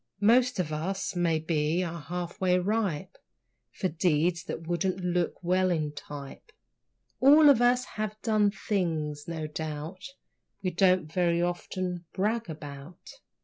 Most of us, maybe, are half way ripe For deeds that would't look well in type. All of us have done things, no doubt, We don't very often brag about.